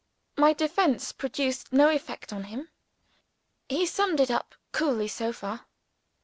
My defence produced no effect on him. He summed it up coolly so far.